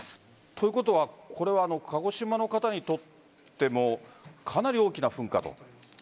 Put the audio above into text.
ということはこれは鹿児島の方にとってもかなり大きな噴火と？